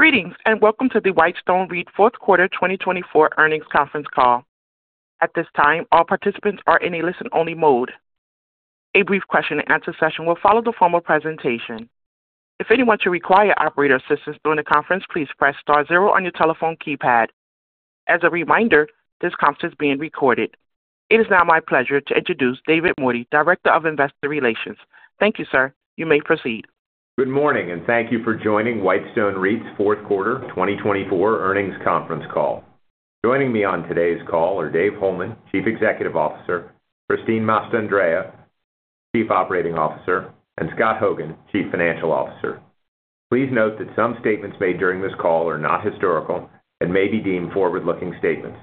Greetings and welcome to the Whitestone REIT Fourth Quarter 2024 Earnings Conference Call. At this time, all participants are in a listen-only mode. A brief question-and-answer session will follow the formal presentation. If anyone should require operator assistance during the conference, please press star zero on your telephone keypad. As a reminder, this conference is being recorded. It is now my pleasure to introduce David Mordy, Director of Investor Relations. Thank you, sir. You may proceed. Good morning, and thank you for joining Whitestone REIT's Fourth Quarter 2024 Earnings Conference Call. Joining me on today's call are Dave Holeman, Chief Executive Officer; Christine Mastandrea, Chief Operating Officer; and Scott Hogan, Chief Financial Officer. Please note that some statements made during this call are not historical and may be deemed forward-looking statements.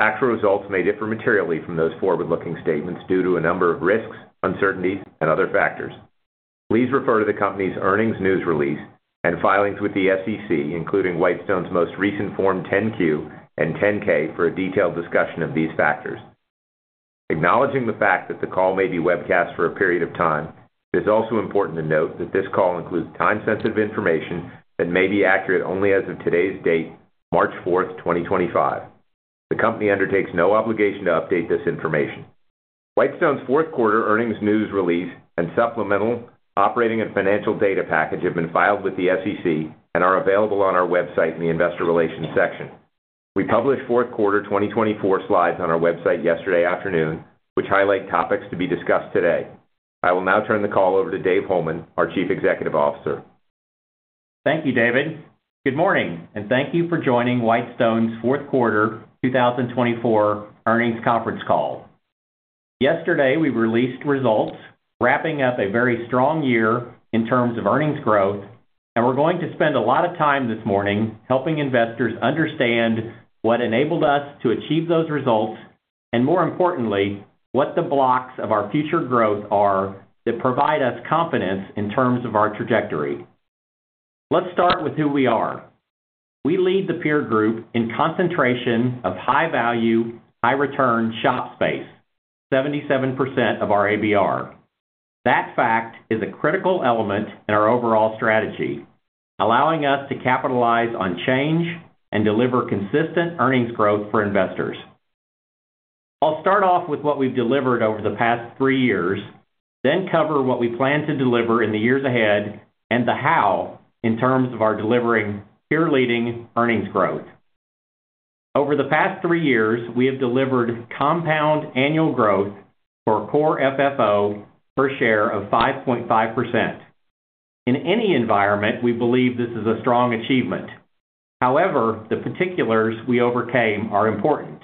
Actual results may differ materially from those forward-looking statements due to a number of risks, uncertainties, and other factors. Please refer to the company's earnings news release and filings with the SEC, including Whitestone's most recent Form 10Q and 10K, for a detailed discussion of these factors. Acknowledging the fact that the call may be webcast for a period of time, it is also important to note that this call includes time-sensitive information that may be accurate only as of today's date, March 4th, 2025. The company undertakes no obligation to update this information. Whitestone's Fourth Quarter Earnings News Release and Supplemental Operating and Financial Data Package have been filed with the SEC and are available on our website in the Investor Relations section. We published Fourth Quarter 2024 slides on our website yesterday afternoon, which highlight topics to be discussed today. I will now turn the call over to Dave Holeman, our Chief Executive Officer. Thank you, David. Good morning, and thank you for joining Whitestone's Fourth Quarter 2024 Earnings Conference Call. Yesterday, we released results wrapping up a very strong year in terms of earnings growth, and we are going to spend a lot of time this morning helping investors understand what enabled us to achieve those results and, more importantly, what the blocks of our future growth are that provide us confidence in terms of our trajectory. Let's start with who we are. We lead the peer group in concentration of high-value, high-return shop space, 77% of our ABR. That fact is a critical element in our overall strategy, allowing us to capitalize on change and deliver consistent earnings growth for investors. I'll start off with what we've delivered over the past three years, then cover what we plan to deliver in the years ahead and the how in terms of our delivering peer-leading earnings growth. Over the past three years, we have delivered compound annual growth for core FFO per share of 5.5%. In any environment, we believe this is a strong achievement. However, the particulars we overcame are important.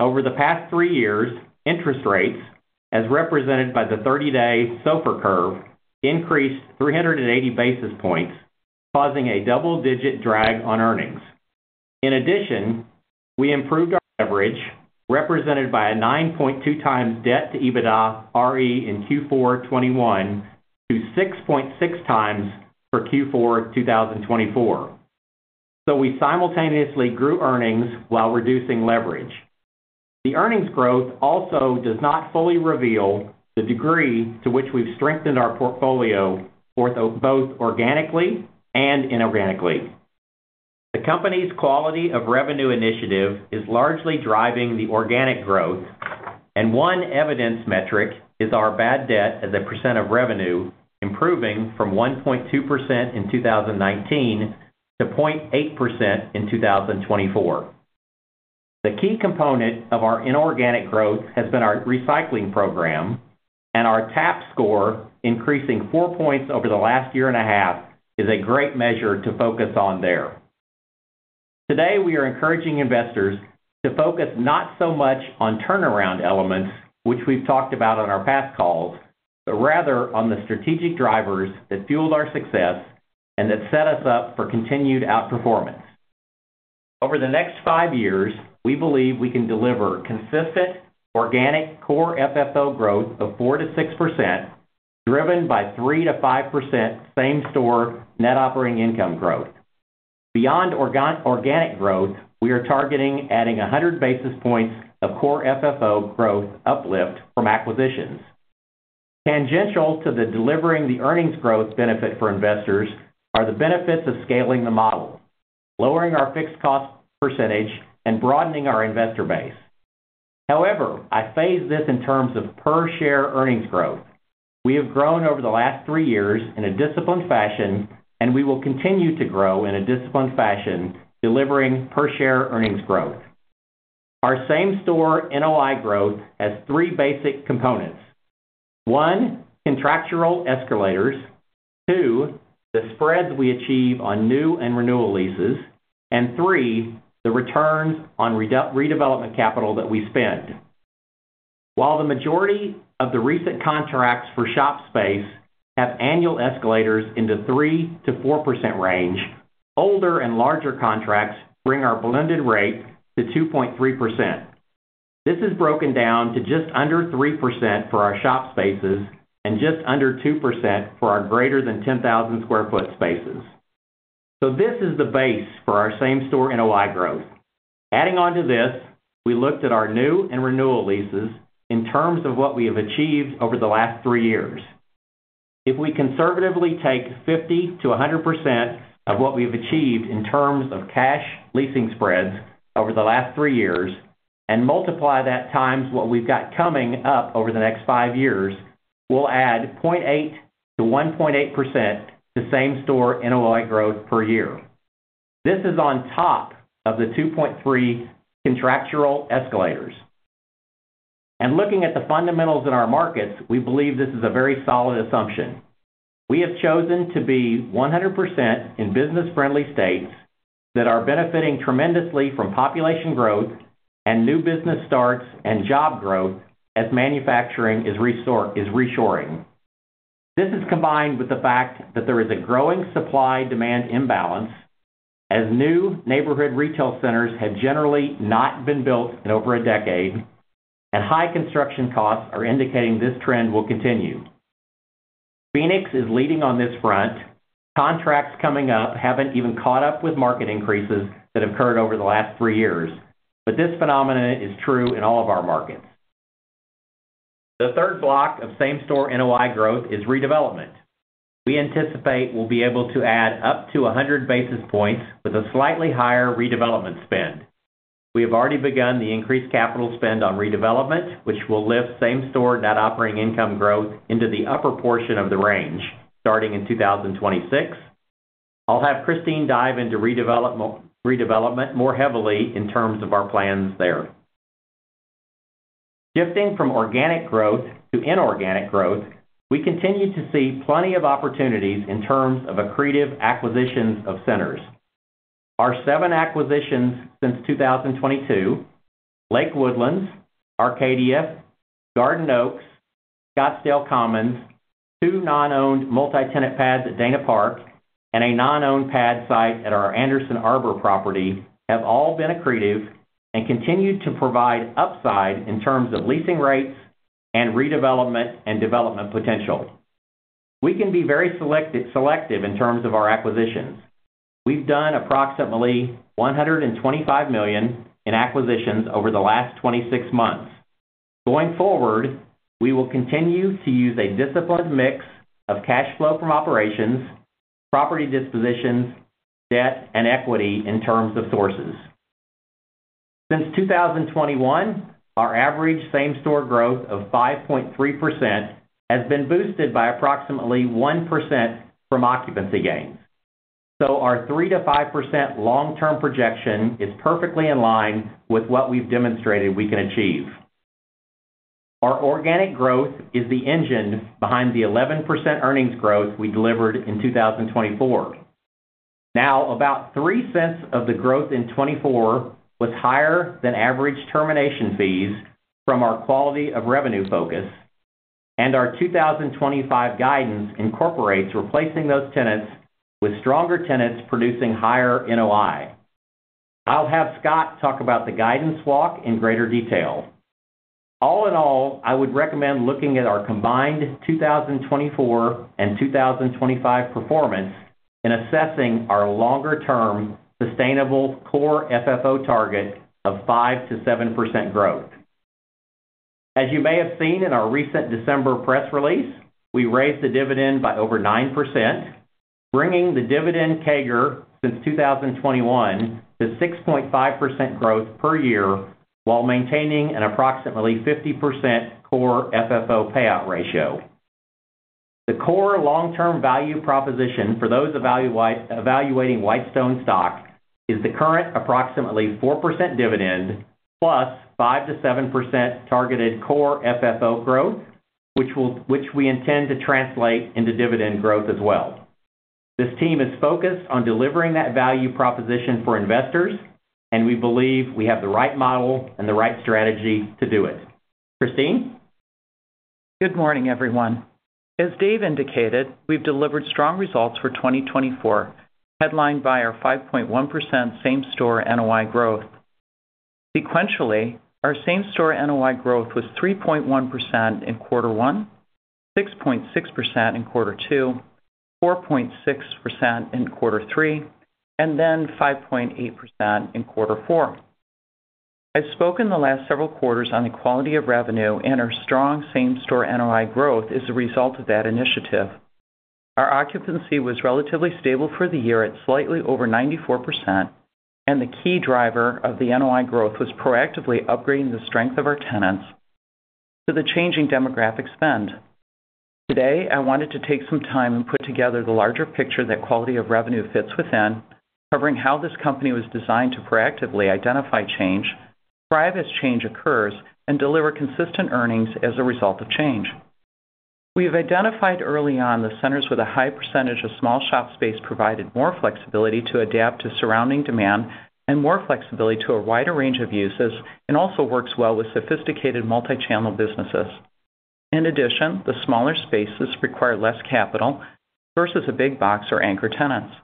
Over the past three years, interest rates, as represented by the 30-day SOFR curve, increased 380 basis points, causing a double-digit drag on earnings. In addition, we improved our leverage, represented by a 9.2 times debt-to-EBITDA RE in Q4 2021 to 6.6 times for Q4 2024. We simultaneously grew earnings while reducing leverage. The earnings growth also does not fully reveal the degree to which we've strengthened our portfolio both organically and inorganically. The company's quality of revenue initiative is largely driving the organic growth, and one evidence metric is our bad debt as a percent of revenue improving from 1.2% in 2019 to 0.8% in 2024. The key component of our inorganic growth has been our recycling program, and our TAP score, increasing four points over the last year and a half, is a great measure to focus on there. Today, we are encouraging investors to focus not so much on turnaround elements, which we've talked about on our past calls, but rather on the strategic drivers that fueled our success and that set us up for continued outperformance. Over the next five years, we believe we can deliver consistent organic core FFO growth of 4-6%, driven by 3-5% same-store net operating income growth. Beyond organic growth, we are targeting adding 100 basis points of core FFO growth uplift from acquisitions. Tangential to delivering the earnings growth benefit for investors are the benefits of scaling the model, lowering our fixed cost percentage, and broadening our investor base. However, I phase this in terms of per-share earnings growth. We have grown over the last three years in a disciplined fashion, and we will continue to grow in a disciplined fashion, delivering per-share earnings growth. Our same-store NOI growth has three basic components: one, contractual escalators; two, the spreads we achieve on new and renewal leases; and three, the returns on redevelopment capital that we spend. While the majority of the recent contracts for shop space have annual escalators in the 3-4% range, older and larger contracts bring our blended rate to 2.3%. This is broken down to just under 3% for our shop spaces and just under 2% for our greater than 10,000 sq ft spaces. This is the base for our same-store NOI growth. Adding on to this, we looked at our new and renewal leases in terms of what we have achieved over the last three years. If we conservatively take 50-100% of what we've achieved in terms of cash leasing spreads over the last three years and multiply that times what we've got coming up over the next five years, we'll add 0.8-1.8% to same-store NOI growth per year. This is on top of the 2.3% contractual escalators. Looking at the fundamentals in our markets, we believe this is a very solid assumption. We have chosen to be 100% in business-friendly states that are benefiting tremendously from population growth and new business starts and job growth as manufacturing is reshoring. This is combined with the fact that there is a growing supply-demand imbalance as new neighborhood retail centers have generally not been built in over a decade, and high construction costs are indicating this trend will continue. Phoenix is leading on this front. Contracts coming up have not even caught up with market increases that have occurred over the last three years, but this phenomenon is true in all of our markets. The third block of same-store NOI growth is redevelopment. We anticipate we will be able to add up to 100 basis points with a slightly higher redevelopment spend. We have already begun the increased capital spend on redevelopment, which will lift same-store net operating income growth into the upper portion of the range starting in 2026. I'll have Christine dive into redevelopment more heavily in terms of our plans there. Shifting from organic growth to inorganic growth, we continue to see plenty of opportunities in terms of accretive acquisitions of centers. Our seven acquisitions since 2022: Lake Woodlands, Arcadia, Garden Oaks, Scottsdale Commons, two non-owned multi-tenant pads at Dana Park, and a non-owned pad site at our Anderson Arbor property have all been accretive and continue to provide upside in terms of leasing rates and redevelopment and development potential. We can be very selective in terms of our acquisitions. We've done approximately $125 million in acquisitions over the last 26 months. Going forward, we will continue to use a disciplined mix of cash flow from operations, property dispositions, debt, and equity in terms of sources. Since 2021, our average same-store growth of 5.3% has been boosted by approximately 1% from occupancy gains. Our 3-5% long-term projection is perfectly in line with what we have demonstrated we can achieve. Our organic growth is the engine behind the 11% earnings growth we delivered in 2024. Now, about 3 cents of the growth in 2024 was higher than average termination fees from our quality of revenue focus, and our 2025 guidance incorporates replacing those tenants with stronger tenants producing higher NOI. I will have Scott talk about the guidance walk in greater detail. All in all, I would recommend looking at our combined 2024 and 2025 performance in assessing our longer-term sustainable core FFO target of 5-7% growth. As you may have seen in our recent December press release, we raised the dividend by over 9%, bringing the dividend CAGR since 2021 to 6.5% growth per year while maintaining an approximately 50% core FFO payout ratio. The core long-term value proposition for those evaluating Whitestone stock is the current approximately 4% dividend plus 5-7% targeted core FFO growth, which we intend to translate into dividend growth as well. This team is focused on delivering that value proposition for investors, and we believe we have the right model and the right strategy to do it. Christine? Good morning, everyone. As Dave indicated, we've delivered strong results for 2024, headlined by our 5.1% same-store NOI growth. Sequentially, our same-store NOI growth was 3.1% in Q1, 6.6% in Q2, 4.6% in Q3, and then 5.8% in Q4. I've spoken the last several quarters on the quality of revenue, and our strong same-store NOI growth is a result of that initiative. Our occupancy was relatively stable for the year at slightly over 94%, and the key driver of the NOI growth was proactively upgrading the strength of our tenants to the changing demographic spend. Today, I wanted to take some time and put together the larger picture that quality of revenue fits within, covering how this company was designed to proactively identify change, thrive as change occurs, and deliver consistent earnings as a result of change. We have identified early on the centers with a high percentage of small shop space provided more flexibility to adapt to surrounding demand and more flexibility to a wider range of uses, and also works well with sophisticated multi-channel businesses. In addition, the smaller spaces require less capital versus a big box or anchor tenants.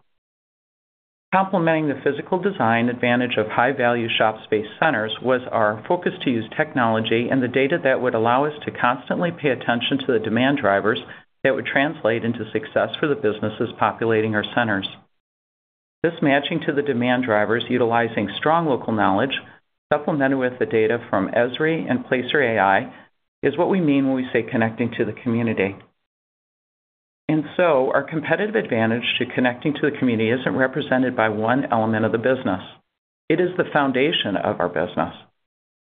Complementing the physical design advantage of high-value shop space centers was our focus to use technology and the data that would allow us to constantly pay attention to the demand drivers that would translate into success for the businesses populating our centers. This matching to the demand drivers, utilizing strong local knowledge, supplemented with the data from Esri and Placer AI, is what we mean when we say connecting to the community. Our competitive advantage to connecting to the community isn't represented by one element of the business. It is the foundation of our business.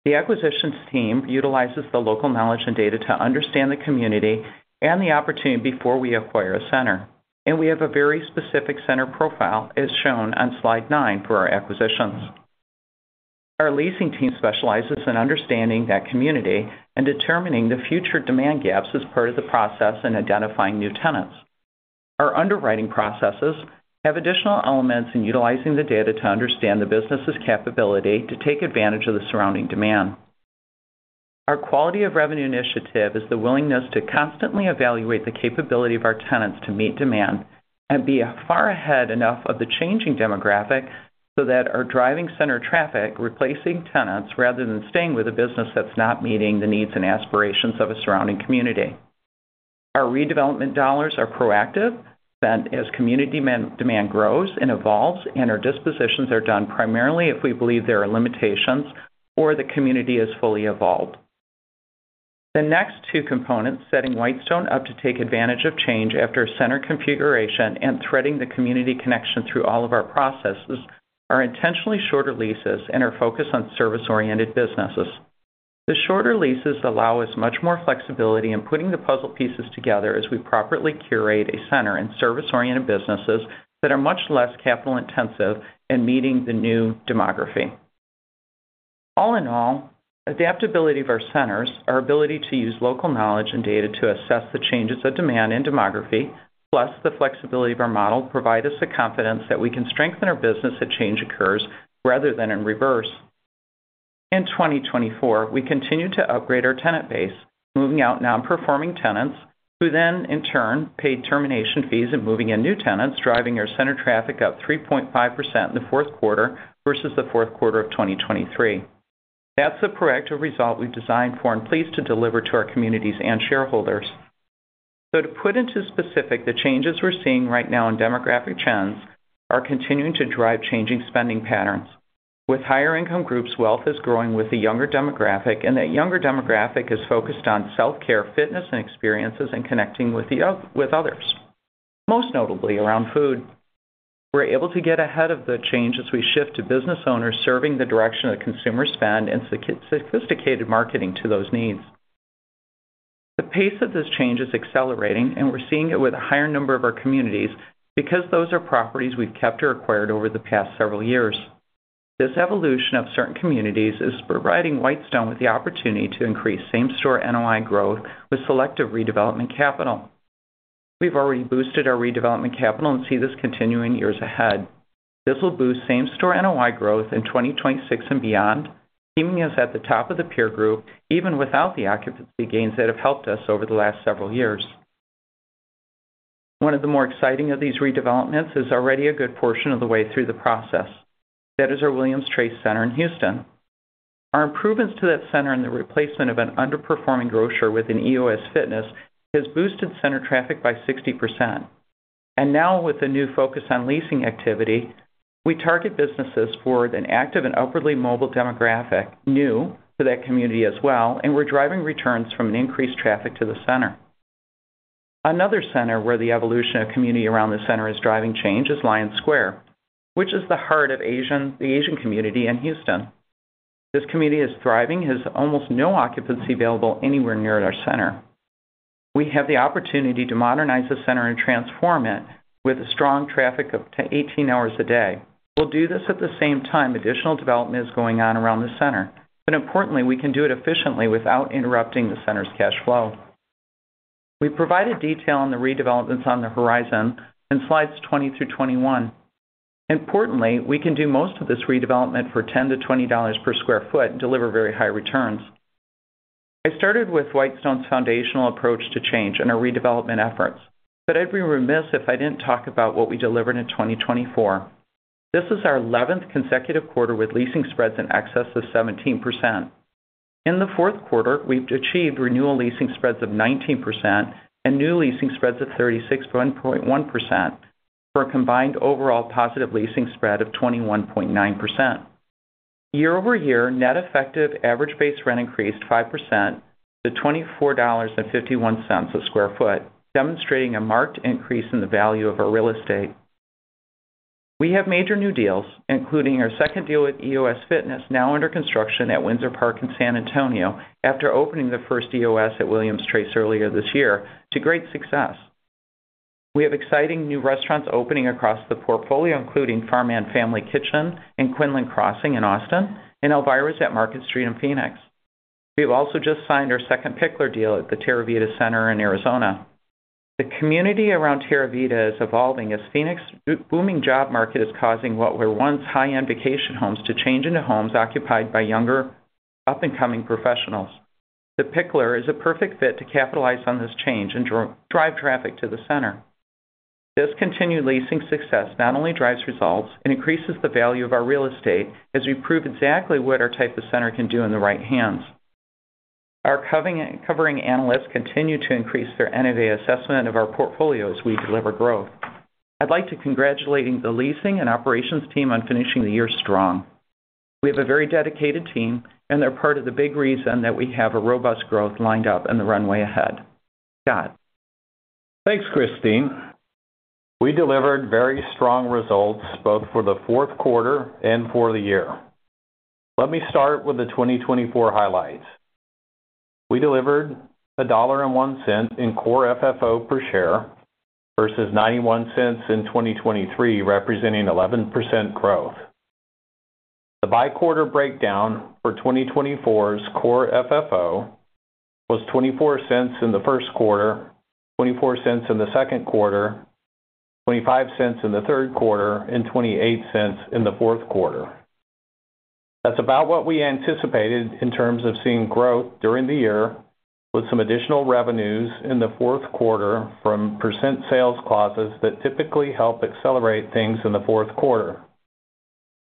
The acquisitions team utilizes the local knowledge and data to understand the community and the opportunity before we acquire a center. We have a very specific center profile, as shown on slide 9 for our acquisitions. Our leasing team specializes in understanding that community and determining the future demand gaps as part of the process in identifying new tenants. Our underwriting processes have additional elements in utilizing the data to understand the business's capability to take advantage of the surrounding demand. Our quality of revenue initiative is the willingness to constantly evaluate the capability of our tenants to meet demand and be far ahead enough of the changing demographic so that our driving center traffic replaces tenants rather than staying with a business that's not meeting the needs and aspirations of a surrounding community. Our redevelopment dollars are proactive, spent as community demand grows and evolves, and our dispositions are done primarily if we believe there are limitations or the community has fully evolved. The next two components, setting Whitestone up to take advantage of change after a center configuration and threading the community connection through all of our processes, are intentionally shorter leases and are focused on service-oriented businesses. The shorter leases allow us much more flexibility in putting the puzzle pieces together as we properly curate a center in service-oriented businesses that are much less capital-intensive in meeting the new demography. All in all, adaptability of our centers, our ability to use local knowledge and data to assess the changes of demand and demography, plus the flexibility of our model provide us the confidence that we can strengthen our business if change occurs rather than in reverse. In 2024, we continue to upgrade our tenant base, moving out non-performing tenants who then, in turn, paid termination fees and moving in new tenants, driving our center traffic up 3.5% in the fourth quarter versus the fourth quarter of 2023. That is the proactive result we have designed for and are pleased to deliver to our communities and shareholders. To put it in specific terms, the changes we are seeing right now in demographic trends are continuing to drive changing spending patterns. With higher-income groups, wealth is growing with the younger demographic, and that younger demographic is focused on self-care, fitness, and experiences in connecting with others, most notably around food. We are able to get ahead of the change as we shift to business owners serving the direction of consumer spend and sophisticated marketing to those needs. The pace of this change is accelerating, and we're seeing it with a higher number of our communities because those are properties we've kept or acquired over the past several years. This evolution of certain communities is providing Whitestone with the opportunity to increase same-store NOI growth with selective redevelopment capital. We've already boosted our redevelopment capital and see this continuing years ahead. This will boost same-store NOI growth in 2026 and beyond, keeping us at the top of the peer group even without the occupancy gains that have helped us over the last several years. One of the more exciting of these redevelopments is already a good portion of the way through the process. That is our Williams Trace Center in Houston. Our improvements to that center and the replacement of an underperforming grocer with an EOS Fitness has boosted center traffic by 60%. Now, with a new focus on leasing activity, we target businesses for an active and upwardly mobile demographic new to that community as well, and we're driving returns from increased traffic to the center. Another center where the evolution of community around the center is driving change is Lyon Square, which is the heart of the Asian community in Houston. This community is thriving, has almost no occupancy available anywhere near our center. We have the opportunity to modernize the center and transform it with strong traffic up to 18 hours a day. We'll do this at the same time additional development is going on around the center. Importantly, we can do it efficiently without interrupting the center's cash flow. We provided detail on the redevelopments on the horizon in slides 20-21. Importantly, we can do most of this redevelopment for $10-$20 per sq ft and deliver very high returns. I started with Whitestone's foundational approach to change and our redevelopment efforts, but I'd be remiss if I didn't talk about what we delivered in 2024. This is our 11th consecutive quarter with leasing spreads in excess of 17%. In the fourth quarter, we've achieved renewal leasing spreads of 19% and new leasing spreads of 36.1% for a combined overall positive leasing spread of 21.9%. Year-over-year, net effective average base rent increased 5% to $24.51 a sq ft, demonstrating a marked increase in the value of our real estate. We have major new deals, including our second deal with EOS Fitness now under construction at Windsor Park in San Antonio after opening the first EOS at Williams Trace earlier this year to great success. We have exciting new restaurants opening across the portfolio, including Farman Family Kitchen in Quinlan Crossing in Austin and Alvarez at Market Street in Phoenix. We have also just signed our second Pickler deal at the Terraveda Center in Arizona. The community around Terraveda is evolving as Phoenix's booming job market is causing what were once high-end vacation homes to change into homes occupied by younger, up-and-coming professionals. The Pickler is a perfect fit to capitalize on this change and drive traffic to the center. This continued leasing success not only drives results and increases the value of our real estate as we prove exactly what our type of center can do in the right hands. Our covering analysts continue to increase their NAV assessment of our portfolio as we deliver growth. I'd like to congratulate the leasing and operations team on finishing the year strong. We have a very dedicated team, and they're part of the big reason that we have a robust growth lined up in the runway ahead. Scott. Thanks, Christine. We delivered very strong results both for the fourth quarter and for the year. Let me start with the 2024 highlights. We delivered $1.01 in core FFO per share versus $0.91 in 2023, representing 11% growth. The bi-quarter breakdown for 2024's core FFO was $0.24 in the first quarter, $0.24 in the second quarter, $0.25 in the third quarter, and $0.28 in the fourth quarter. That's about what we anticipated in terms of seeing growth during the year with some additional revenues in the fourth quarter from percent sales clauses that typically help accelerate things in the fourth quarter.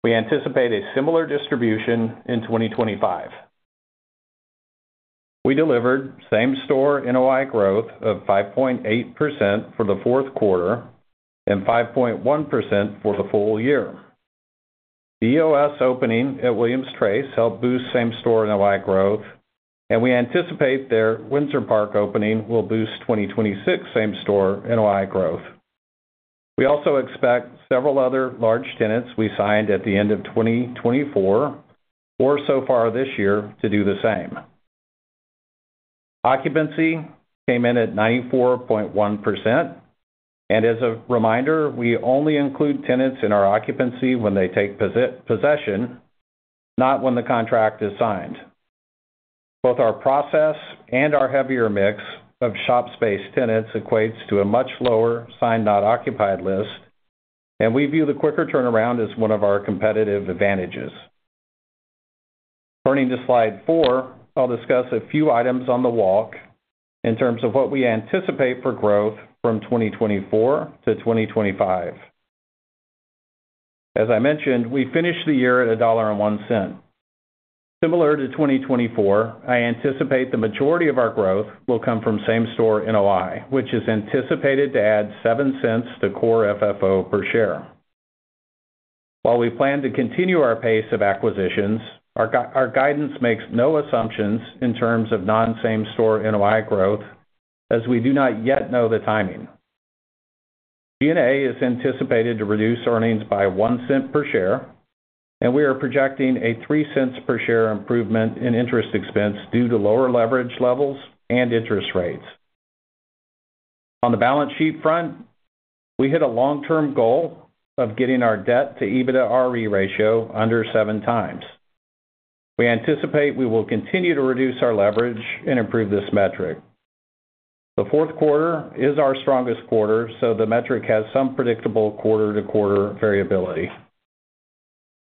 We anticipate a similar distribution in 2025. We delivered same-store NOI growth of 5.8% for the fourth quarter and 5.1% for the full year. The EOS opening at Williams Trace helped boost same-store NOI growth, and we anticipate their Windsor Park opening will boost 2026 same-store NOI growth. We also expect several other large tenants we signed at the end of 2024 or so far this year to do the same. Occupancy came in at 94.1%. As a reminder, we only include tenants in our occupancy when they take possession, not when the contract is signed. Both our process and our heavier mix of shop space tenants equates to a much lower signed-not-occupied list, and we view the quicker turnaround as one of our competitive advantages. Turning to slide 4, I'll discuss a few items on the walk in terms of what we anticipate for growth from 2024 to 2025. As I mentioned, we finished the year at $1.01. Similar to 2024, I anticipate the majority of our growth will come from same-store NOI, which is anticipated to add $0.07 to core FFO per share. While we plan to continue our pace of acquisitions, our guidance makes no assumptions in terms of non-same-store NOI growth, as we do not yet know the timing. G&A is anticipated to reduce earnings by $0.01 per share, and we are projecting a $0.03 per share improvement in interest expense due to lower leverage levels and interest rates. On the balance sheet front, we hit a long-term goal of getting our debt-to-EBITDA RE ratio under 7 times. We anticipate we will continue to reduce our leverage and improve this metric. The fourth quarter is our strongest quarter, so the metric has some predictable quarter-to-quarter variability.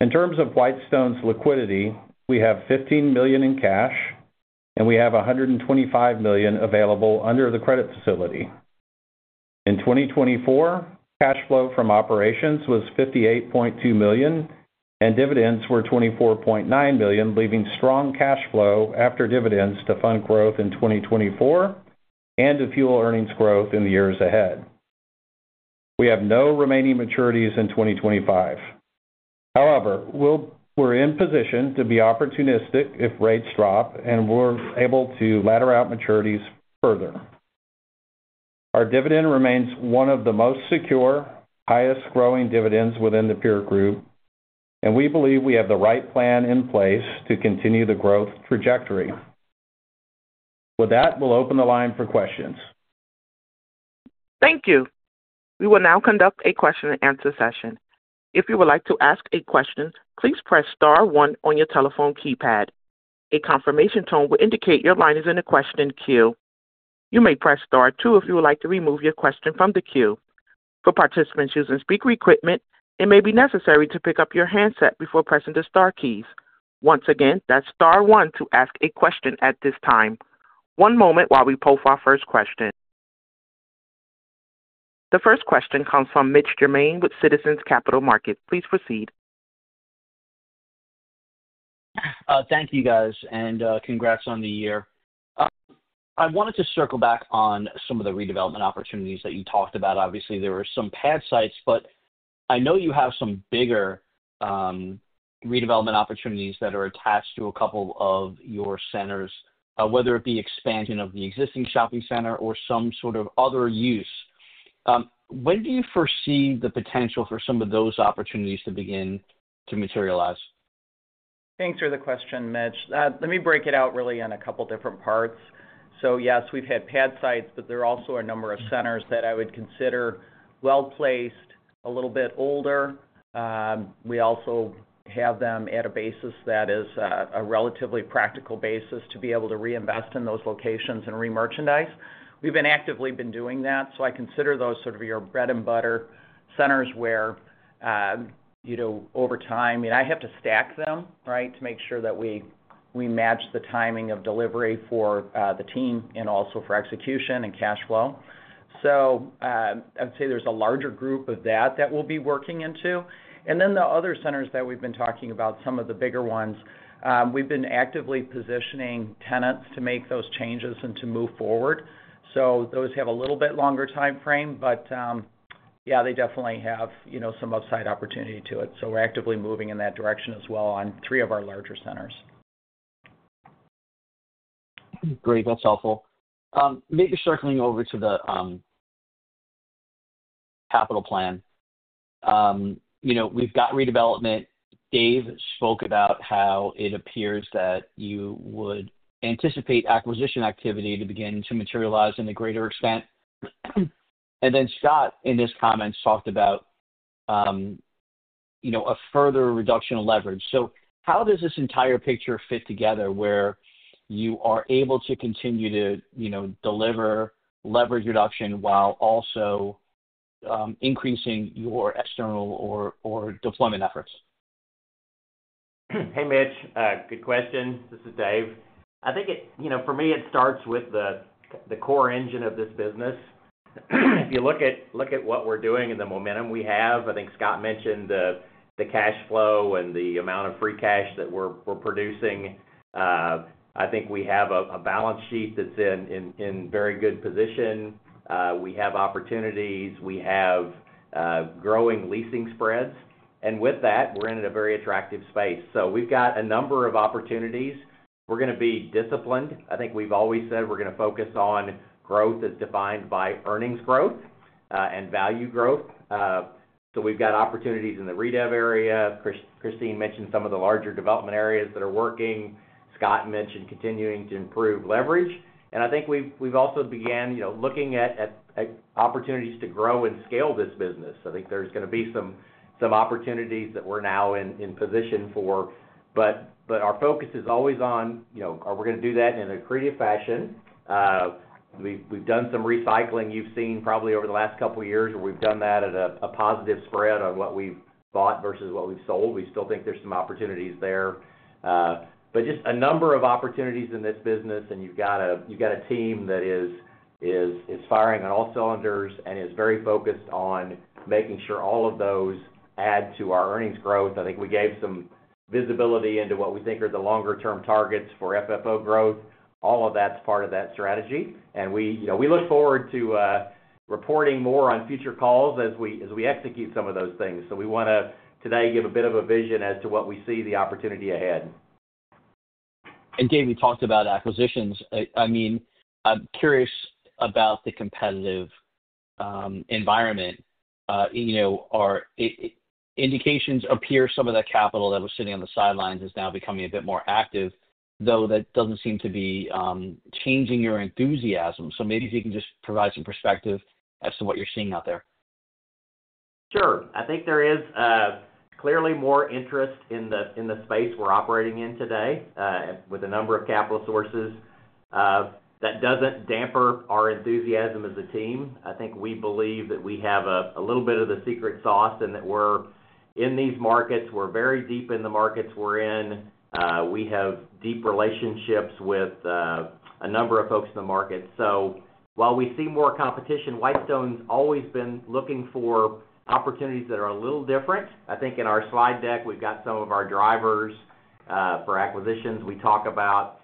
In terms of Whitestone's liquidity, we have $15 million in cash, and we have $125 million available under the credit facility. In 2024, cash flow from operations was $58.2 million, and dividends were $24.9 million, leaving strong cash flow after dividends to fund growth in 2024 and to fuel earnings growth in the years ahead. We have no remaining maturities in 2025. However, we're in position to be opportunistic if rates drop, and we're able to ladder out maturities further. Our dividend remains one of the most secure, highest-growing dividends within the peer group, and we believe we have the right plan in place to continue the growth trajectory. With that, we'll open the line for questions. Thank you. We will now conduct a question-and-answer session. If you would like to ask a question, please press star one on your telephone keypad. A confirmation tone will indicate your line is in a question queue. You may press star two if you would like to remove your question from the queue. For participants using speaker equipment, it may be necessary to pick up your handset before pressing the star keys. Once again, that's star one to ask a question at this time. One moment while we pull our first question. The first question comes from Mitch Germain with Citizens Capital Markets. Please proceed. Thank you, guys, and congrats on the year. I wanted to circle back on some of the redevelopment opportunities that you talked about. Obviously, there were some pad sites, but I know you have some bigger redevelopment opportunities that are attached to a couple of your centers, whether it be expansion of the existing shopping center or some sort of other use. When do you foresee the potential for some of those opportunities to begin to materialize? Thanks for the question, Mitch. Let me break it out really in a couple of different parts. Yes, we've had pad sites, but there are also a number of centers that I would consider well-placed, a little bit older. We also have them at a basis that is a relatively practical basis to be able to reinvest in those locations and re-merchandise. We've actively been doing that, so I consider those sort of your bread-and-butter centers where over time, I have to stack them, right, to make sure that we match the timing of delivery for the team and also for execution and cash flow. I would say there's a larger group of that that we'll be working into. The other centers that we've been talking about, some of the bigger ones, we've been actively positioning tenants to make those changes and to move forward. Those have a little bit longer time frame, but yeah, they definitely have some upside opportunity to it. We are actively moving in that direction as well on three of our larger centers. Great. That's helpful. Maybe circling over to the capital plan. We've got redevelopment. Dave spoke about how it appears that you would anticipate acquisition activity to begin to materialize in a greater extent. Scott, in his comments, talked about a further reduction of leverage. How does this entire picture fit together where you are able to continue to deliver leverage reduction while also increasing your external or deployment efforts? Hey, Mitch. Good question. This is Dave. I think for me, it starts with the core engine of this business. If you look at what we're doing and the momentum we have, I think Scott mentioned the cash flow and the amount of free cash that we're producing. I think we have a balance sheet that's in very good position. We have opportunities. We have growing leasing spreads. With that, we're in a very attractive space. We have a number of opportunities. We're going to be disciplined. I think we've always said we're going to focus on growth as defined by earnings growth and value growth. We have opportunities in the REIT area; Christine mentioned some of the larger development areas that are working. Scott mentioned continuing to improve leverage. I think we've also begun looking at opportunities to grow and scale this business. I think there's going to be some opportunities that we're now in position for. Our focus is always on, are we going to do that in an accretive fashion? We've done some recycling. You've seen probably over the last couple of years where we've done that at a positive spread on what we've bought versus what we've sold. We still think there's some opportunities there. Just a number of opportunities in this business, and you've got a team that is firing on all cylinders and is very focused on making sure all of those add to our earnings growth. I think we gave some visibility into what we think are the longer-term targets for FFO growth. All of that's part of that strategy. We look forward to reporting more on future calls as we execute some of those things. We want to today give a bit of a vision as to what we see the opportunity ahead. Dave, you talked about acquisitions. I mean, I'm curious about the competitive environment. Indications appear some of that capital that was sitting on the sidelines is now becoming a bit more active, though that doesn't seem to be changing your enthusiasm. Maybe if you can just provide some perspective as to what you're seeing out there. Sure. I think there is clearly more interest in the space we're operating in today with a number of capital sources. That doesn't damper our enthusiasm as a team. I think we believe that we have a little bit of the secret sauce and that we're in these markets. We're very deep in the markets we're in. We have deep relationships with a number of folks in the market. While we see more competition, Whitestone's always been looking for opportunities that are a little different. I think in our slide deck, we've got some of our drivers for acquisitions. We talk about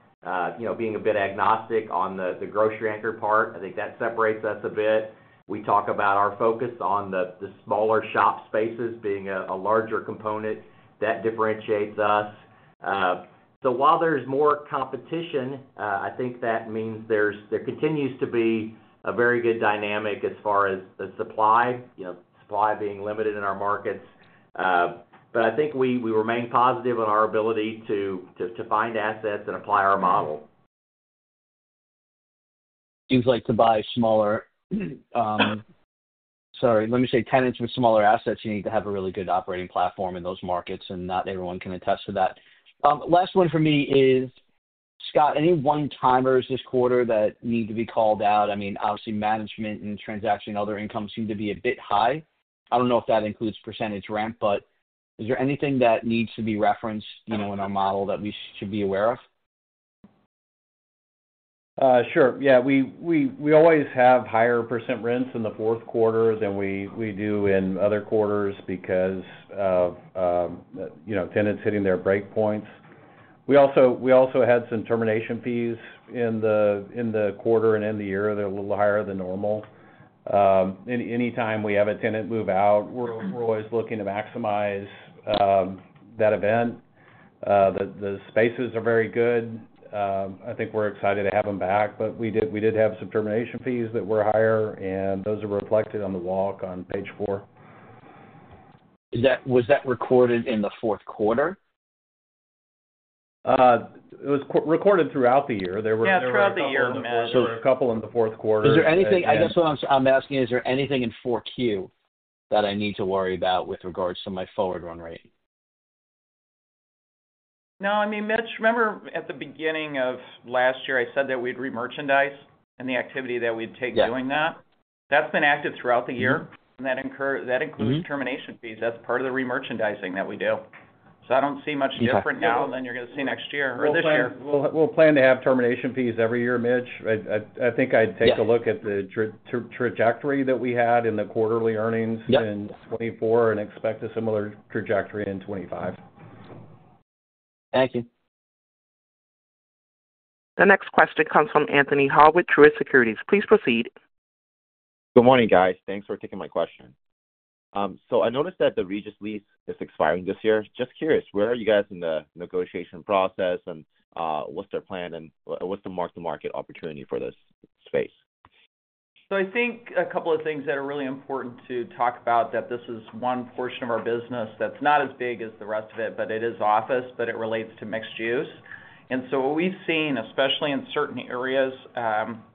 being a bit agnostic on the grocery-anchored part. I think that separates us a bit. We talk about our focus on the smaller shop spaces being a larger component. That differentiates us. While there's more competition, I think that means there continues to be a very good dynamic as far as the supply, supply being limited in our markets. I think we remain positive on our ability to find assets and apply our model. Seems like to buy smaller—sorry, let me say tenants with smaller assets, you need to have a really good operating platform in those markets, and not everyone can attest to that. Last one for me is, Scott, any one-timers this quarter that need to be called out? I mean, obviously, management and transaction and other income seem to be a bit high. I don't know if that includes percentage rent, but is there anything that needs to be referenced in our model that we should be aware of? Sure. Yeah. We always have higher % rents in the fourth quarter than we do in other quarters because of tenants hitting their breakpoints. We also had some termination fees in the quarter and in the year. They're a little higher than normal. Anytime we have a tenant move out, we're always looking to maximize that event. The spaces are very good. I think we're excited to have them back, but we did have some termination fees that were higher, and those are reflected on the walk on page four. Was that recorded in the fourth quarter? It was recorded throughout the year. Yeah, throughout the year, Mitch. There were a couple in the fourth quarter. I guess what I'm asking is, is there anything in 4Q that I need to worry about with regards to my forward run rate? No. I mean, Mitch, remember at the beginning of last year, I said that we'd re-merchandise and the activity that we'd take doing that? Yeah. That's been active throughout the year, and that includes termination fees. That's part of the re-merchandising that we do. I don't see much different now than you're going to see next year or this year. We'll plan to have termination fees every year, Mitch. I think I'd take a look at the trajectory that we had in the quarterly earnings in 2024 and expect a similar trajectory in 2025. Thank you. The next question comes from Anthony Hau with Truist Securities. Please proceed. Good morning, guys. Thanks for taking my question. I noticed that the Regis lease is expiring this year. Just curious, where are you guys in the negotiation process, and what's their plan, and what's the mark-to-market opportunity for this space? I think a couple of things that are really important to talk about, that this is one portion of our business that's not as big as the rest of it, but it is office, but it relates to mixed use. What we've seen, especially in certain areas,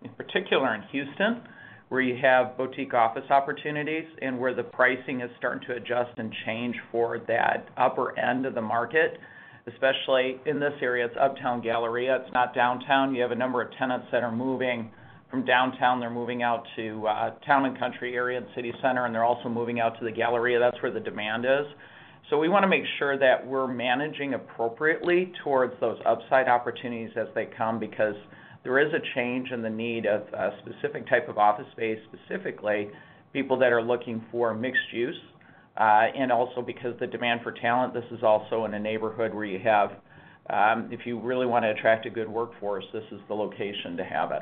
in particular in Houston, where you have boutique office opportunities and where the pricing is starting to adjust and change for that upper end of the market, especially in this area, it's Uptown Galleria. It's not downtown. You have a number of tenants that are moving from downtown. They're moving out to town and country area and city center, and they're also moving out to the Galleria. That's where the demand is. We want to make sure that we're managing appropriately towards those upside opportunities as they come because there is a change in the need of a specific type of office space, specifically people that are looking for mixed use, and also because the demand for talent. This is also in a neighborhood where you have, if you really want to attract a good workforce, this is the location to have it.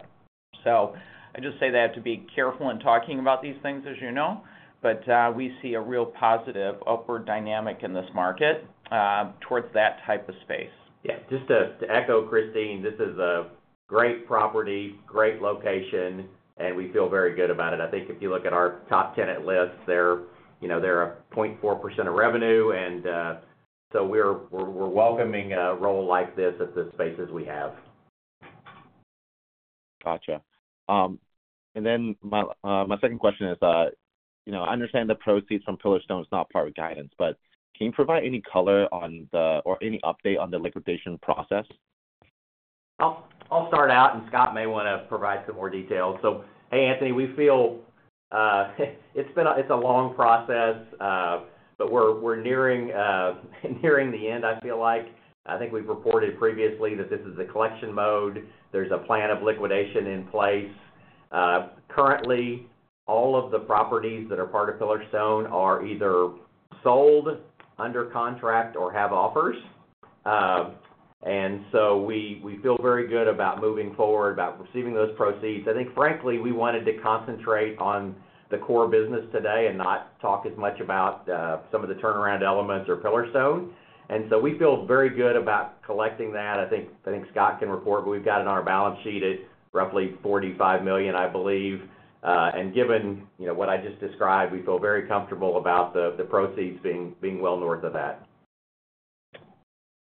I just say that to be careful in talking about these things, as you know, but we see a real positive upward dynamic in this market towards that type of space. Yeah. Just to echo, Christine, this is a great property, great location, and we feel very good about it. I think if you look at our top tenant list, they're a 0.4% of revenue, and so we're welcoming a role like this at the spaces we have. Gotcha. My second question is, I understand the proceeds from Pillar Stone's not part of guidance, but can you provide any color on the or any update on the liquidation process? I'll start out, and Scott may want to provide some more details. Hey, Anthony, we feel it's a long process, but we're nearing the end, I feel like. I think we've reported previously that this is a collection mode. There's a plan of liquidation in place. Currently, all of the properties that are part of Pillar Stone are either sold under contract or have offers. We feel very good about moving forward, about receiving those proceeds. I think, frankly, we wanted to concentrate on the core business today and not talk as much about some of the turnaround elements or Pillar Stone. We feel very good about collecting that. I think Scott can report, but we've got it on our balance sheet at roughly $45 million, I believe. Given what I just described, we feel very comfortable about the proceeds being well north of that.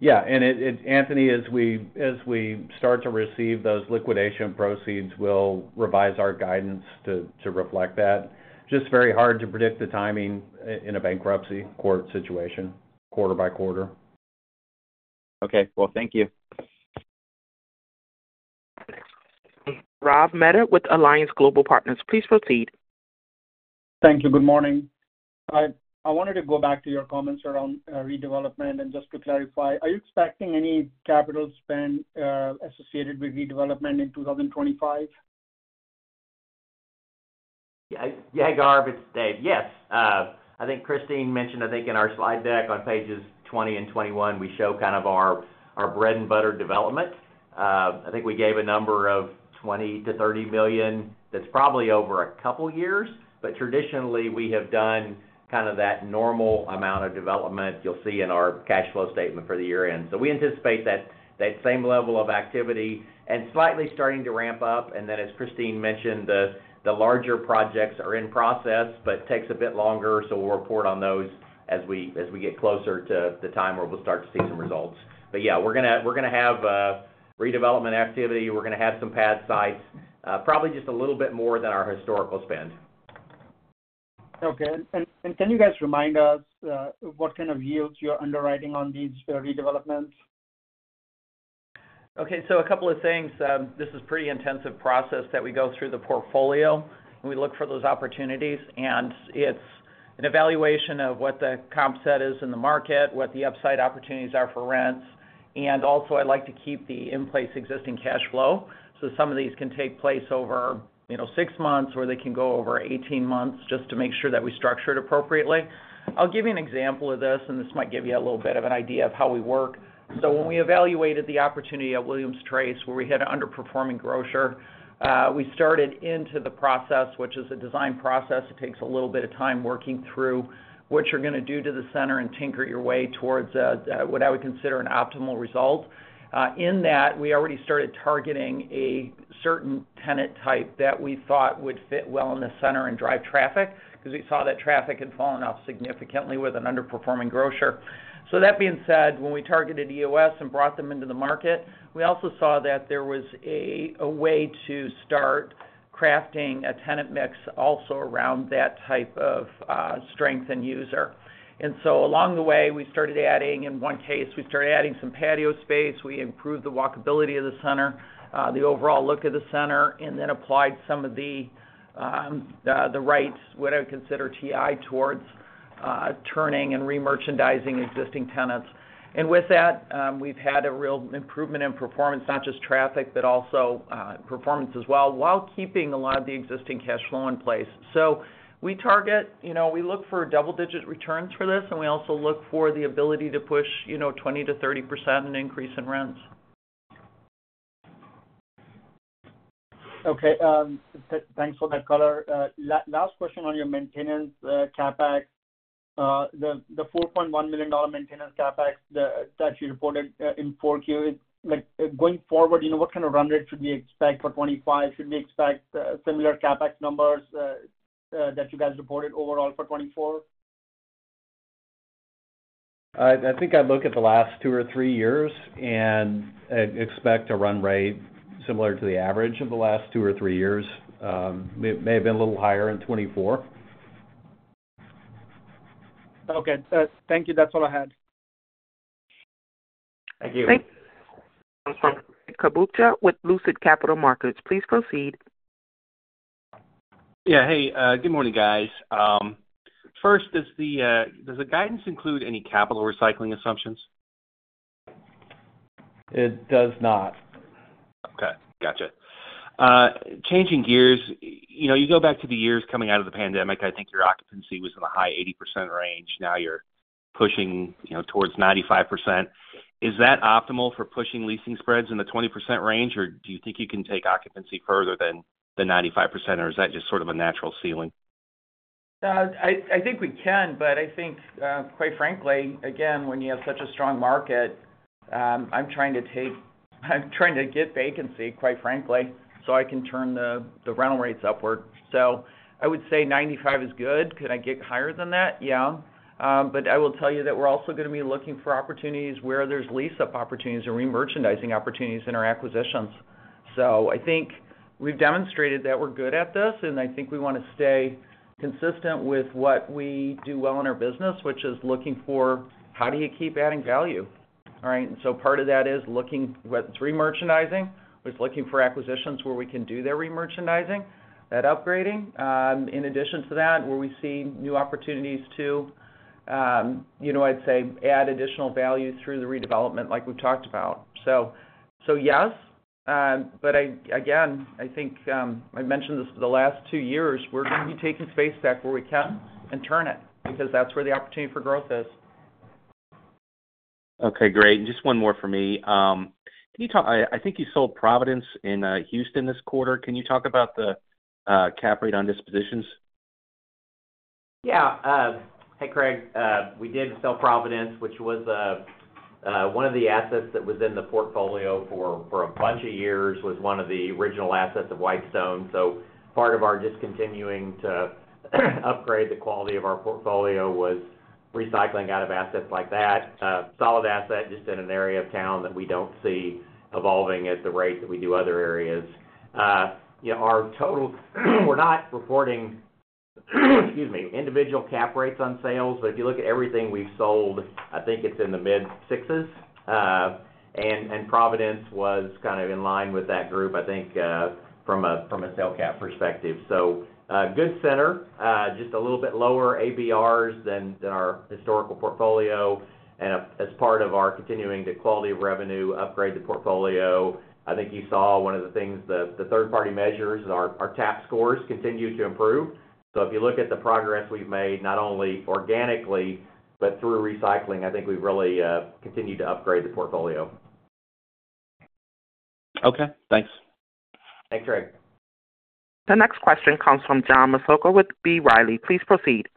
Yeah. Anthony, as we start to receive those liquidation proceeds, we'll revise our guidance to reflect that. It is just very hard to predict the timing in a bankruptcy court situation, quarter by quarter. Okay. Thank you. Rob Mettet with Alliance Global Partners. Please proceed. Thank you. Good morning. I wanted to go back to your comments around redevelopment. Just to clarify, are you expecting any capital spend associated with redevelopment in 2025? Yeah. Hey, Gaurav, it's Dave. Yes. I think Christine mentioned, I think in our slide deck on pages 20 and 21, we show kind of our bread-and-butter development. I think we gave a number of $20-$30 million that's probably over a couple of years, but traditionally, we have done kind of that normal amount of development you'll see in our cash flow statement for the year end. We anticipate that same level of activity and slightly starting to ramp up. As Christine mentioned, the larger projects are in process, but it takes a bit longer. We will report on those as we get closer to the time where we will start to see some results. Yeah, we're going to have redevelopment activity. We're going to have some pad sites, probably just a little bit more than our historical spend. Okay. Can you guys remind us what kind of yields you're underwriting on these redevelopments? Okay. A couple of things. This is a pretty intensive process that we go through the portfolio, and we look for those opportunities. It is an evaluation of what the comp set is in the market, what the upside opportunities are for rents. Also, I like to keep the in-place existing cash flow, so some of these can take place over six months or they can go over 18 months just to make sure that we structure it appropriately. I'll give you an example of this, and this might give you a little bit of an idea of how we work. When we evaluated the opportunity at Williams Trace, where we had an underperforming grocer, we started into the process, which is a design process. It takes a little bit of time working through what you're going to do to the center and tinker your way towards what I would consider an optimal result. In that, we already started targeting a certain tenant type that we thought would fit well in the center and drive traffic because we saw that traffic had fallen off significantly with an underperforming grocer. That being said, when we targeted EOS and brought them into the market, we also saw that there was a way to start crafting a tenant mix also around that type of strength and user. Along the way, we started adding in one case, we started adding some patio space. We improved the walkability of the center, the overall look of the center, and then applied some of the rights, what I would consider TI, towards turning and re-merchandising existing tenants. We have had a real improvement in performance, not just traffic, but also performance as well, while keeping a lot of the existing cash flow in place. We target, we look for double-digit returns for this, and we also look for the ability to push 20%-30% in increase in rents. Okay. Thanks for that color. Last question on your maintenance CapEx. The $4.1 million maintenance CapEx that you reported in Q4, going forward, what kind of run rate should we expect for 2025? Should we expect similar CapEx numbers that you guys reported overall for 2024? I think I look at the last two or three years and expect a run rate similar to the average of the last two or three years. It may have been a little higher in 2024. Okay. Thank you. That's all I had. Thank you. Thanks. From Mitt Kabucha with Lucid Capital Markets. Please proceed. Yeah. Hey, good morning, guys. First, does the guidance include any capital recycling assumptions? It does not. Okay. Gotcha. Changing gears, you go back to the years coming out of the pandemic, I think your occupancy was in the high 80% range. Now you're pushing towards 95%. Is that optimal for pushing leasing spreads in the 20% range, or do you think you can take occupancy further than 95%, or is that just sort of a natural ceiling? I think we can, but I think, quite frankly, again, when you have such a strong market, I'm trying to take, I'm trying to get vacancy, quite frankly, so I can turn the rental rates upward. I would say 95 is good. Could I get higher than that? Yeah. I will tell you that we're also going to be looking for opportunities where there's lease-up opportunities or re-merchandising opportunities in our acquisitions. I think we've demonstrated that we're good at this, and I think we want to stay consistent with what we do well in our business, which is looking for how do you keep adding value, all right? Part of that is looking whether it's re-merchandising, was looking for acquisitions where we can do their re-merchandising, that upgrading. In addition to that, where we see new opportunities to, I'd say, add additional value through the redevelopment like we've talked about. Yes, but again, I think I mentioned this for the last two years, we're going to be taking Space Tech where we can and turn it because that's where the opportunity for growth is. Okay. Great. Just one more for me. I think you sold Providence in Houston this quarter. Can you talk about the cap rate on dispositions? Yeah. Hey, Craig, we did sell Providence, which was one of the assets that was in the portfolio for a bunch of years, was one of the original assets of Whitestone. Part of our discontinuing to upgrade the quality of our portfolio was recycling out of assets like that, solid asset, just in an area of town that we do not see evolving at the rate that we do other areas. Our totals, we are not reporting, excuse me, individual cap rates on sales, but if you look at everything we have sold, I think it is in the mid-sixes, and Providence was kind of in line with that group, I think, from a sale cap perspective. Good center, just a little bit lower ABRs than our historical portfolio. As part of our continuing to quality of revenue upgrade the portfolio, I think you saw one of the things, the third-party measures, our TAP scores continue to improve. If you look at the progress we've made, not only organically, but through recycling, I think we've really continued to upgrade the portfolio. Okay. Thanks. Thanks, Craig. The next question comes from John Massocca with B. Riley. Please proceed.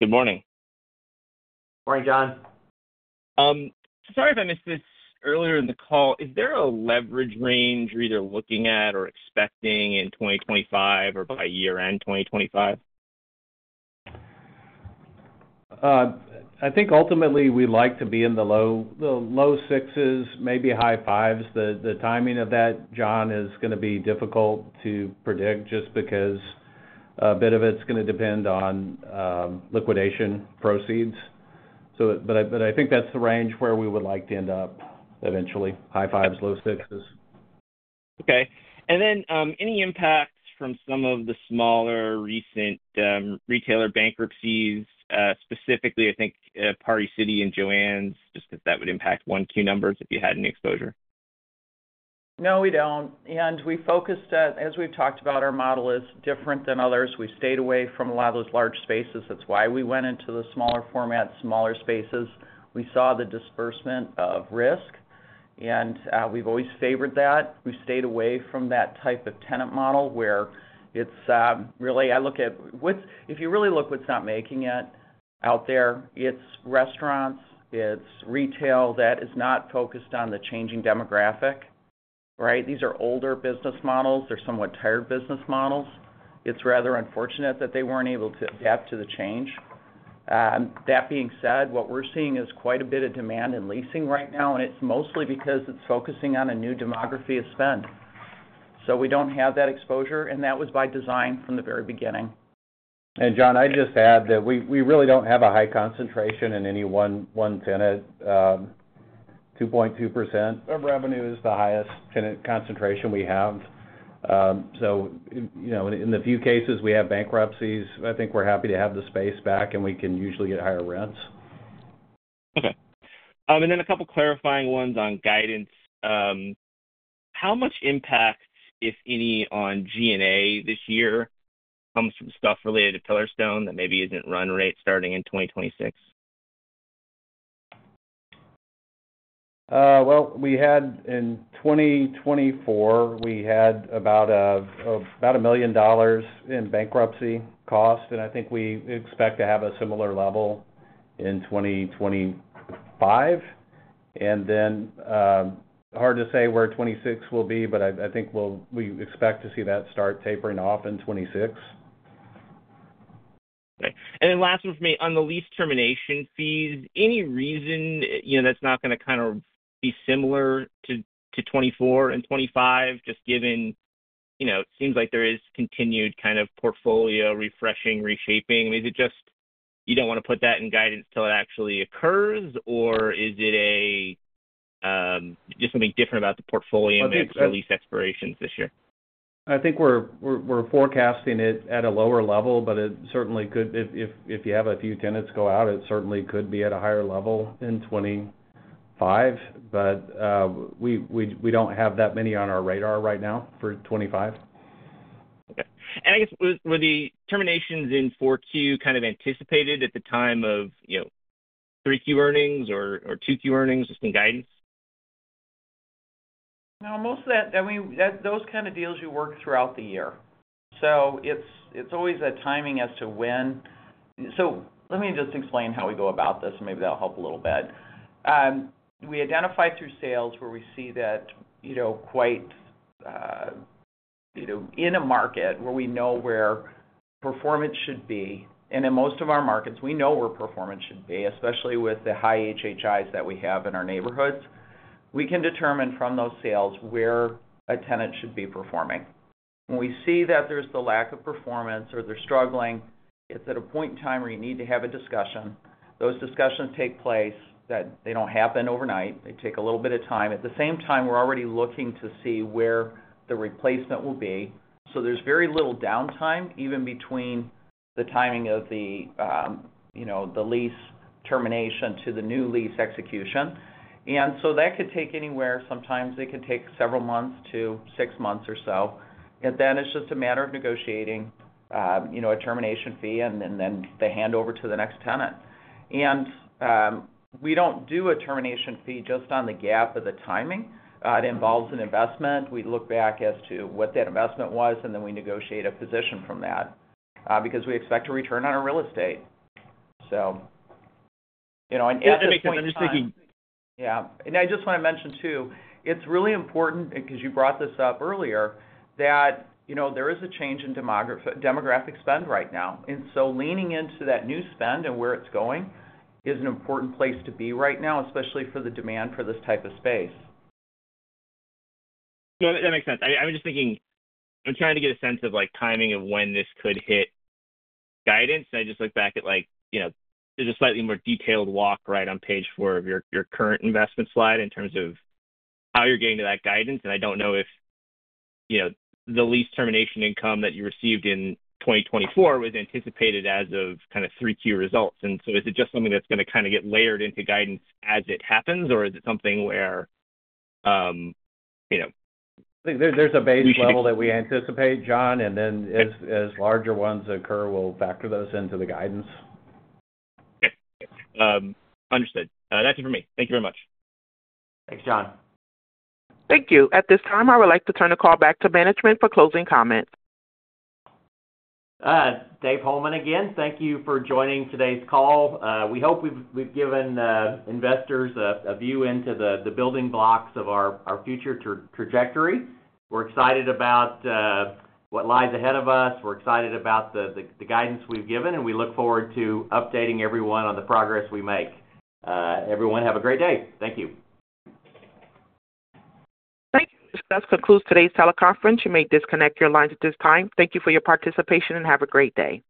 Good morning. Morning, John. Sorry if I missed this earlier in the call. Is there a leverage range you're either looking at or expecting in 2025 or by year-end 2025? I think ultimately we'd like to be in the low sixes, maybe high fives. The timing of that, John, is going to be difficult to predict just because a bit of it's going to depend on liquidation proceeds. I think that's the range where we would like to end up eventually, high fives, low sixes. Okay. Any impacts from some of the smaller recent retailer bankruptcies, specifically, I think Party City and Joann's, just because that would impact one-key numbers if you had any exposure? No, we don't. We focused at, as we've talked about, our model is different than others. We stayed away from a lot of those large spaces. That's why we went into the smaller formats, smaller spaces. We saw the disbursement of risk, and we've always favored that. We stayed away from that type of tenant model where it's really I look at if you really look what's not making it out there, it's restaurants, it's retail that is not focused on the changing demographic, right? These are older business models. They're somewhat tired business models. It's rather unfortunate that they weren't able to adapt to the change. That being said, what we're seeing is quite a bit of demand in leasing right now, and it's mostly because it's focusing on a new demography of spend. We do not have that exposure, and that was by design from the very beginning. John, I'd just add that we really do not have a high concentration in any one tenant. 2.2% of revenue is the highest tenant concentration we have. In the few cases we have bankruptcies, I think we are happy to have the space back, and we can usually get higher rents. Okay. A couple of clarifying ones on guidance. How much impact, if any, on G&A this year comes from stuff related to Pillar Stone that maybe is not run rate starting in 2026? In 2024, we had about $1 million in bankruptcy cost, and I think we expect to have a similar level in 2025. It is hard to say where 2026 will be, but I think we expect to see that start tapering off in 2026. Okay. Last one for me, on the lease termination fees, any reason that's not going to kind of be similar to 2024 and 2025, just given it seems like there is continued kind of portfolio refreshing, reshaping? I mean, is it just you don't want to put that in guidance till it actually occurs, or is it just something different about the portfolio and the lease expirations this year? I think we're forecasting it at a lower level, but it certainly could, if you have a few tenants go out, it certainly could be at a higher level in 2025. But we don't have that many on our radar right now for 2025. Okay. I guess, were the terminations in 4Q kind of anticipated at the time of 3Q earnings or 2Q earnings, just in guidance? No, most of that, I mean, those kind of deals you work throughout the year. It is always a timing as to when, so let me just explain how we go about this, and maybe that'll help a little bit. We identify through sales where we see that quite in a market where we know where performance should be. In most of our markets, we know where performance should be, especially with the high HHIs that we have in our neighborhoods. We can determine from those sales where a tenant should be performing. When we see that there's the lack of performance or they're struggling, it's at a point in time where you need to have a discussion. Those discussions take place, they don't happen overnight. They take a little bit of time. At the same time, we're already looking to see where the replacement will be. There is very little downtime even between the timing of the lease termination to the new lease execution. That could take anywhere. Sometimes it can take several months to six months or so. It is just a matter of negotiating a termination fee and then the handover to the next tenant. We do not do a termination fee just on the gap of the timing. It involves an investment. We look back as to what that investment was, and then we negotiate a position from that because we expect a return on our real estate. That's interesting. I'm just thinking. Yeah. I just want to mention too, it's really important because you brought this up earlier that there is a change in demographic spend right now. Leaning into that new spend and where it's going is an important place to be right now, especially for the demand for this type of space. No, that makes sense. I'm just thinking I'm trying to get a sense of timing of when this could hit guidance. I just looked back at there's a slightly more detailed walk, right, on page four of your current investment slide in terms of how you're getting to that guidance. I don't know if the lease termination income that you received in 2024 was anticipated as of kind of 3Q results. Is it just something that's going to kind of get layered into guidance as it happens, or is it something where? There's a base level that we anticipate, John, and then as larger ones occur, we'll factor those into the guidance. Okay. Understood. That's it for me. Thank you very much. Thanks, John. Thank you. At this time, I would like to turn the call back to management for closing comments. Dave Holeman again. Thank you for joining today's call. We hope we've given investors a view into the building blocks of our future trajectory. We're excited about what lies ahead of us. We're excited about the guidance we've given, and we look forward to updating everyone on the progress we make. Everyone, have a great day. Thank you. Thank you. This concludes today's teleconference. You may disconnect your lines at this time. Thank you for your participation and have a great day.